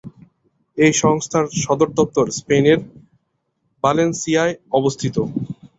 এই সংস্থার সদর দপ্তর স্পেনের বালেনসিয়ায় অবস্থিত।